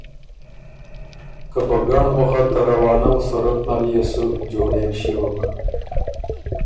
که په ګنړ مُخه ته روانَو صورت نر يې سُو جوړېک ݭیوک